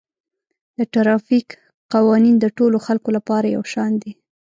د ټرافیک قوانین د ټولو خلکو لپاره یو شان دي